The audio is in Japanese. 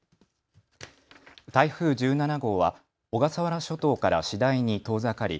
台風１７号は小笠原諸島から次第に遠ざかり